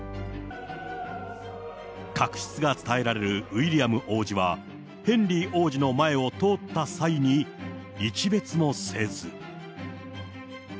確執が伝えられるウィリアム王子は、ヘンリー王子の前を通った際に、一べつもせず。